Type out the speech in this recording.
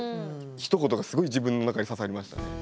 ひと言がすごい自分の中に刺さりましたね。